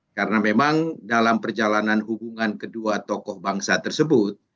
karena memang dalam perjalanan hubungan kedua tokoh bangsa tersebut